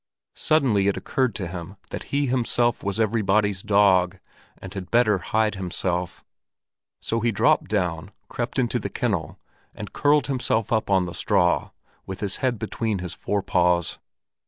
Suddenly it occurred to him that he himself was everybody's dog, and had better hide himself; so he dropped down, crept into the kennel, and curled himself up on the straw with his head between his fore paws.